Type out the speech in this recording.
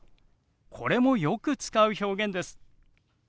これもよく使う表現です。